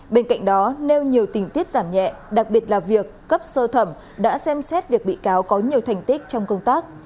bên cạnh đó nêu nhiều tình tiết giảm nhẹ đặc biệt là việc cấp sơ thẩm đã xem xét việc bị cáo có nhiều thành tích trong công tác